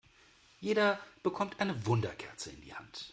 Jeder bekommt eine Wunderkerze in die Hand.